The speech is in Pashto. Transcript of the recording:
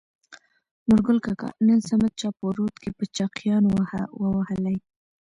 نورګل کاکا : نن صمد چا په رود کې په چاقيانو ووهلى.